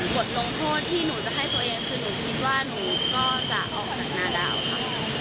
บทลงโทษที่หนูจะให้ตัวเองคือหนูคิดว่าหนูก็จะออกจากงานแล้วค่ะ